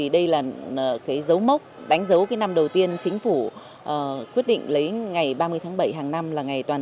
đây là một lễ phát động có ý nghĩa rất lớn